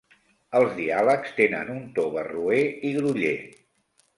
Els diàlegs tenen un to barroer i groller.